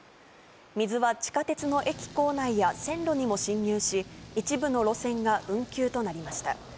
水は地下鉄の駅構内や線路にも侵入し、一部の路線が運休となりました。